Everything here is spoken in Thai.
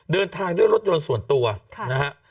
เดินทางด้วยรถยนต์ส่วนตัวนะฮะ